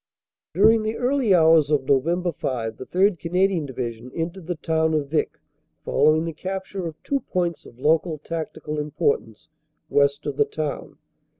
"During the early hours of Nov. 5 the 3rd. Canadian Divi sion entered the town of Vicq, following the capture of two points of local tactical importance west of the town.